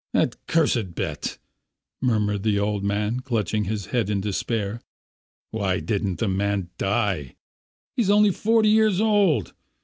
"That cursed bet," murmured the old man clutching his head in despair... "Why didn't the man die? He's only forty years old.